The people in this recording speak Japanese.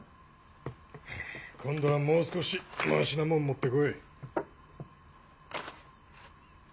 今度はもう少しマシなもん持って来い。